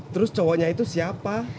terus cowoknya itu siapa